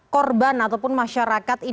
korban ataupun masyarakat ini sangat berharga